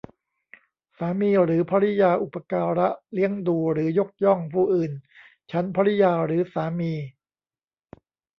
สามีหรือภริยาอุปการะเลี้ยงดูหรือยกย่องผู้อื่นฉันภริยาหรือสามี